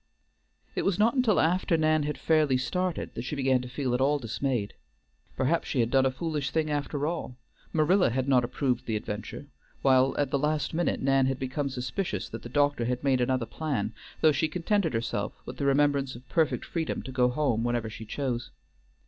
It was not until after Nan had fairly started that she began to feel at all dismayed. Perhaps she had done a foolish thing after all; Marilla had not approved the adventure, while at the last minute Nan had become suspicious that the doctor had made another plan, though she contented herself with the remembrance of perfect freedom to go home whenever she chose.